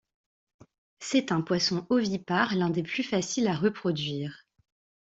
C'est un poisson ovipare, l'un des plus faciles à reproduire.